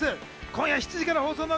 今夜７時から放送の